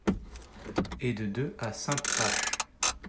et de deux à cinq h.